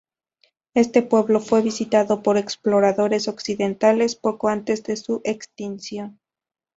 Este pueblo fue visitado por exploradores occidentales, poco antes de su extinción.